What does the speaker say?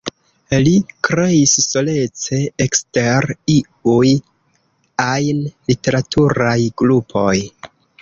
Li kreis solece ekster iuj ajn literaturaj grupoj.